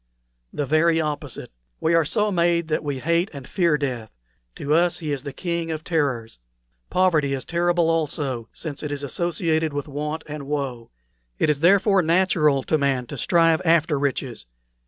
"The very opposite. We are so made that we hate and fear death; to us he is the King of Terrors. Poverty is terrible also, since it is associated with want and woe; it is, therefore, natural to man to strive after riches.